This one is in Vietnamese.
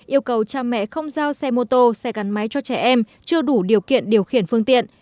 yêu cầu cha mẹ không giao xe mô tô xe gắn máy cho trẻ em chưa đủ điều kiện điều khiển phương tiện